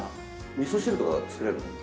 みそ汁とかは作れるの？